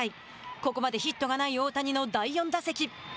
ここまでヒットがない大谷の第４打席。